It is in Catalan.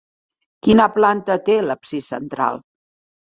Quina planta té l'absis central?